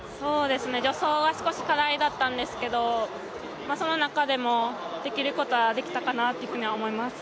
助走が少し課題だったんですけどその中でもできることはできたかなというふうには思います。